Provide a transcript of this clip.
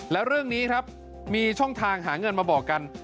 แล้วเรื่องนี้ครับมีช่องทางหาเงินมาบอกกัน